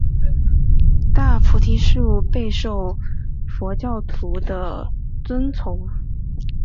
大菩提树备受佛教徒的尊崇。